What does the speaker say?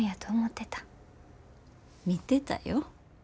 みてたよ。